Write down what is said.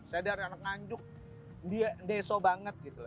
saya dari anak ngajuk dia neso banget gitu